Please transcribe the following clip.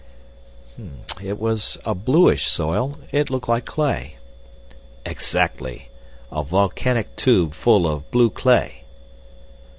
"It was a bluish soil. It looked like clay." "Exactly. A volcanic tube full of blue clay."